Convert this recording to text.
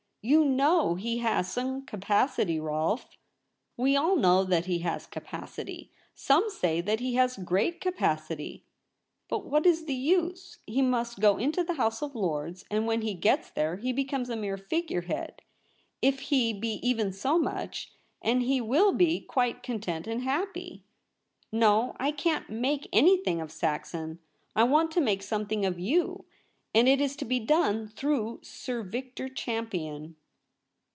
You know he has some capacity, Rolfe.' ' We all know that he has capacity. Some say that he has great capacity.' * But what is the use ? He must go into the House of Lords, and when once he gets there he becomes a mere figure head — if he LITER A SCRIPT A. 237 be even so much — and he will be quite con tent and happy. No ; I can't make anything of Saxon. I want to make something of you, and it is to be done through Sir Victor Champion.'